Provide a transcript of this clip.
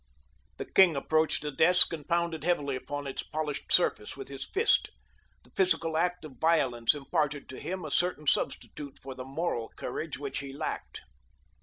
The king approached the desk and pounded heavily upon its polished surface with his fist. The physical act of violence imparted to him a certain substitute for the moral courage which he lacked.